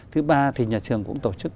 thứ ba thì nhà trường cũng tổ chức